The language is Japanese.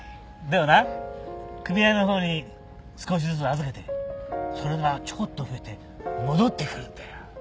でもな組合のほうに少しずつ預けてそれがちょこっと増えて戻ってくるんだよ。